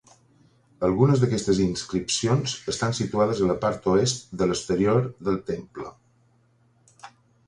Algunes d'aquestes inscripcions estan situades a la part oest de l'exterior del temple.